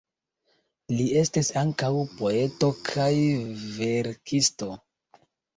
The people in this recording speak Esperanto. Li estis ankaŭ poeto kaj verkisto.